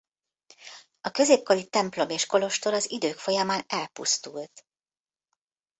A középkori templom és kolostor az idők folyamán elpusztult.